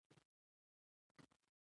عمومي خدمت باید دوامداره وي.